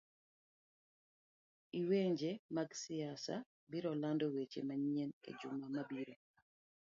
lwenje mag siasa biro lando weche manyien e juma mabiro.